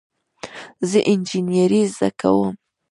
زه انجینری زده کوم